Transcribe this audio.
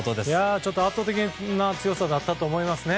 ちょっと圧倒的な強さだったと思います。